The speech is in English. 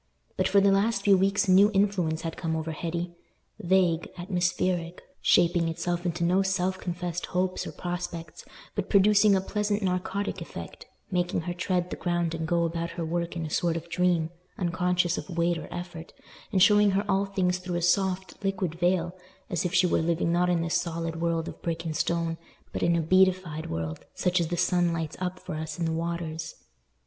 But for the last few weeks a new influence had come over Hetty—vague, atmospheric, shaping itself into no self confessed hopes or prospects, but producing a pleasant narcotic effect, making her tread the ground and go about her work in a sort of dream, unconscious of weight or effort, and showing her all things through a soft, liquid veil, as if she were living not in this solid world of brick and stone, but in a beatified world, such as the sun lights up for us in the waters.